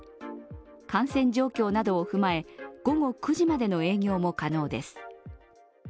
感染状況などを踏まえ、午後９時までの営業も可能です。